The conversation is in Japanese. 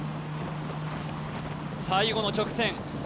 最後の直線